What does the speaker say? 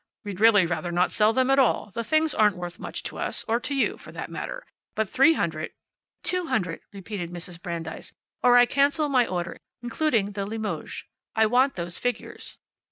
We'd really rather not sell them at all. The things aren't worth much to us, or to you, for that matter. But three hundred " "Two hundred," repeated Mrs. Brandeis, "or I cancel my order, including the Limoges. I want those figures."